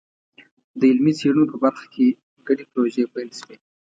د علمي څېړنو په برخه کې ګډې پروژې پیل شوي.